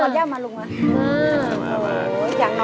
หอหยังน้อยกว่าย่าง